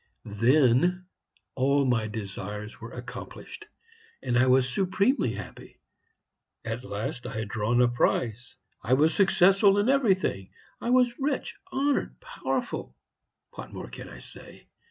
Then all my desires were accomplished, and I was supremely happy. At last I had drawn a prize! I was successful in everything; I was rich, honored, powerful what more can I say?